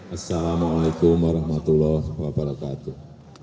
assalamu'alaikum warahmatullahi wabarakatuh